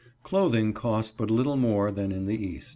Clothing cost but little more than in the East.